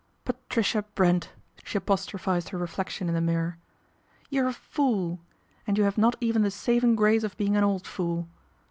" Patricia Brent," she apostrophised her reflec tion in the mirror. " You're a fool ! and you have not even the saving grace of being an old fool.